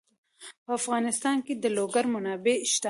په افغانستان کې د لوگر منابع شته.